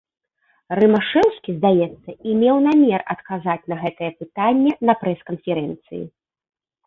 Рымашэўскі, здаецца, і меў намер адказаць на гэтае пытанне на прэс-канферэнцыі.